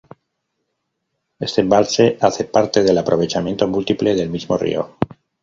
Este embalse hace parte del aprovechamiento múltiple del mismo río.